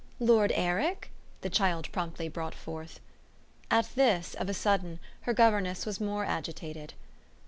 "Lord Eric?" the child promptly brought forth. At this, of a sudden, her governess was more agitated.